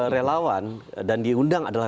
relawan dan diundang adalah